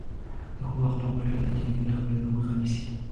د ښو اخلاقو رعایت د کینې د خپرېدو مخه نیسي.